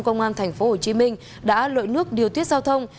công an tp hcm đã lội nước điều tiết giao thông